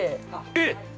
◆えっ！